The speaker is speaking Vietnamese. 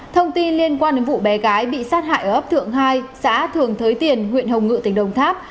thông tin liên quan đến vụ bé gái bị sát hại ở ấp thượng hai xã thường thới tiền huyện hồng ngự tỉnh đồng tháp